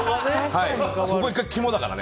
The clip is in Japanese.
そこが肝だからね。